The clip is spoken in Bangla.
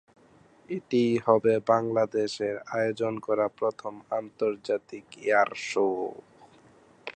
এটিই হবে বাংলাদেশে আয়োজন করা প্রথম আন্তর্জাতিক এয়ার শো।